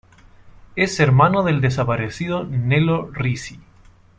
Es hermano del desaparecido Nelo Risi.